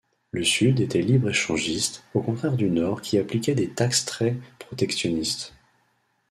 Le Sud était libre-échangiste, au contraire du Nord qui appliquait des taxes très protectionnistes.